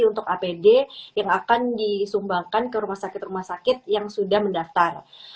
untuk apd yang akan disumbangkan ke rumah sakit rumah sakit yang sudah mendaftar